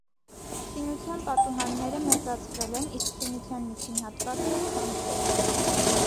Շինության պատուհանները մեծացվել են, իսկ շինության միջին հատվածը՝ քանդվել։